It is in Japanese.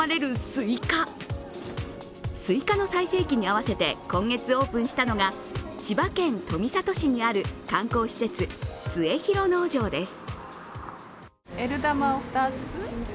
すいかの最盛期に合わせて今月オープンしたのが、千葉県富里市にある観光施設、末廣農場です。